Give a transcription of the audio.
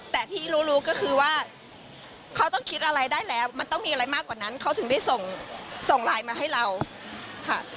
แต่ที่รู้รู้ก็คือว่าเขาต้องคิดอะไรได้แล้วมันต้องมีอะไรมากกว่านั้นเขาถึงได้ส่งส่งไลน์มาให้เราค่ะ